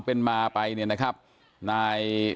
ผมมีโพสต์นึงครับว่า